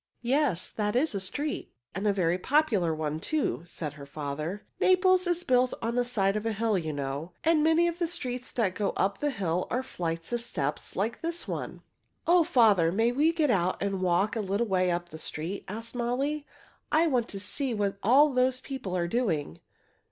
"Yes, that is a street, and a very popular one, too," said her father. "Naples is built on the side of a hill, you know, and many of the streets that go up the hill are flights of steps like this one." "O father, may we get out and walk a little way up the street?" asked Molly. "I want to see what all those people are doing."